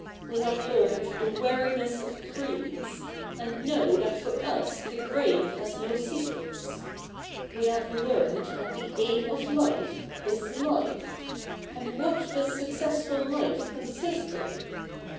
We have learned the weariness of creeds ; and know that for us the grave has no secrets. We have learned that the aim of Hfe is life ; and what does successful life consist in